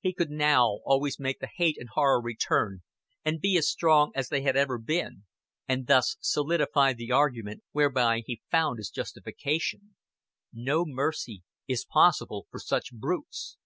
He could now always make the hate and horror return and be as strong as they had ever been, and thus solidify the argument whereby he found his justification; no mercy is possible for such brutes.